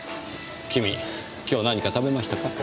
君今日何か食べましたか？